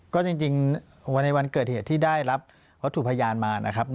ก็จริงวันในวันเกิดเหตุที่ได้รับวัตถุพยานมานะครับ